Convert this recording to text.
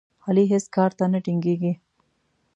علي هېڅ کار ته نه ټینګېږي.